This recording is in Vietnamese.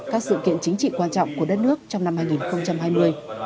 các sự kiện chính trị quan trọng của đất nước trong năm hai nghìn hai mươi